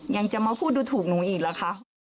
ยังจะมาพูดดูถูกหนูอีกเหรอคะ